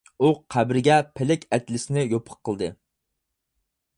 ئۇ قەبرىگە پەلەك ئەتلىسىنى يوپۇق قىلدى.